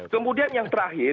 kemudian yang terakhir